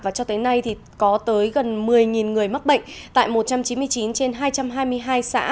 và cho tới nay thì có tới gần một mươi người mắc bệnh tại một trăm chín mươi chín trên hai trăm hai mươi hai xã